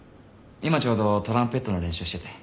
今ちょうどトランペットの練習してて。